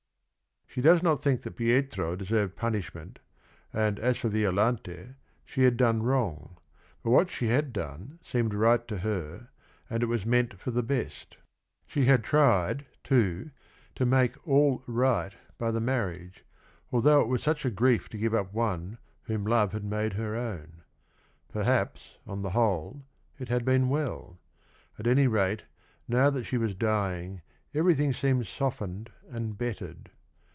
She does not think that P ietro deserved pun ishment, and as for Violante she had done wrong, but what she had done seeme d right to her and" it was meant for the best. She had tried, too, to make all right by the marriage, although it was such a grief to give up one whom love had made her own. Perhaps, on the whole, it had been well; at any rate, now that she was dying everything seemed softened and bettered.